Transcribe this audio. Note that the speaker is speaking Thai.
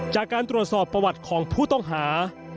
จากการตรวจสอบประวัติของผู้ต้องหา